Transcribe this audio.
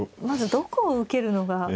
まずどこを受けるのが。